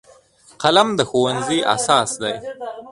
قلم د ښوونځي اساس دی